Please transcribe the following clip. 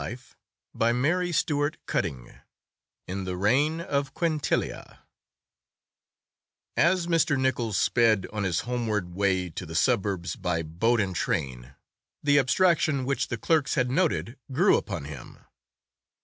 In the Reign of Quintilia In the Reign of Quintilia AS Mr. Nichols sped on his homeward way to the suburbs by boat and train, the abstraction which the clerks had noted grew upon him.